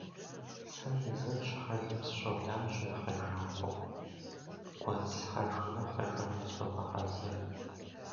Сэ езыр щхьэлым сыщолажьэ хьэжакӏуэу, гуэдз схьэжурэ хэжыгъэ согъэхьэзыр.